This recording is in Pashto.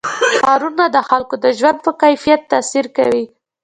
ښارونه د خلکو د ژوند په کیفیت تاثیر کوي.